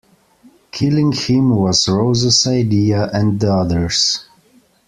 Killing him was Rose's idea and the others.